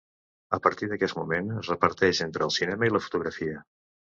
A partir d'aquest moment es reparteix entre el cinema i la fotografia.